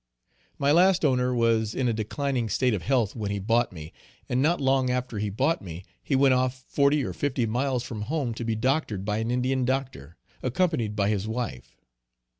My last owner was in a declining state of health when he bought me; and not long after he bought me he went off forty or fifty miles from home to be doctored by an Indian doctor, accompanied by his wife.